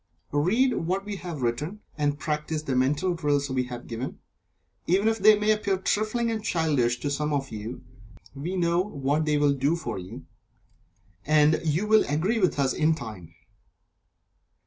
Read what we have written, and practice the Mental Drills we have given, even if they may appear trifling and childish to some of you we know what they will do for you, and you will agree with us in time.